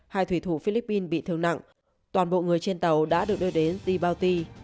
hai thủy thủ philippines bị thương nặng toàn bộ người trên tàu đã được đưa đến zibauti